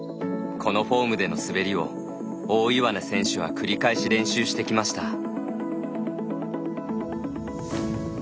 このフォームでの滑りを大岩根選手は繰り返し練習してきました。